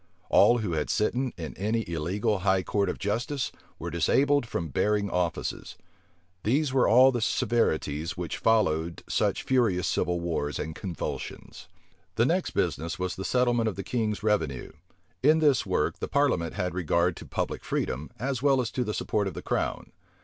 All who had sitten in any illegal high court of justice were disabled from bearing offices. These were all the severities which followed such furious civil wars and convulsions. The next business was the settlement of the king's revenue. In this work, the parliament had regard to public freedom, as well as to the support of the crown.